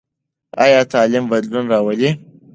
ایا تعلیم بدلون راولي؟